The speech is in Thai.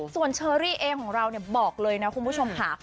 ส่วนเชอรี่เองของเราบอกเลยนะคุณผู้ชมค่ะ